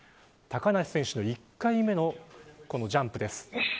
高梨選手の１回目のジャンプです。